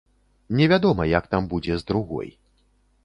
Невядома, як там будзе з другой.